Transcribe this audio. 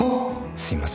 すいません